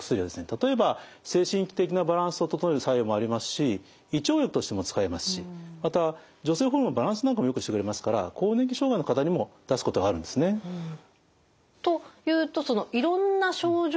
例えば精神的なバランスを整える作用もありますし胃腸薬としても使えますしまた女性ホルモンのバランスなんかもよくしてくれますから更年期障害の方にも出すことがあるんですね。というといろんな症状に効果がある？